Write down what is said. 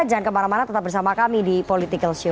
jangan kemana mana tetap bersama kami di politikalshow